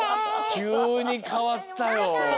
きゅうにかわったよ。